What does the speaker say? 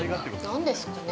◆何ですかね。